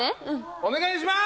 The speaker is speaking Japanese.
お願いします！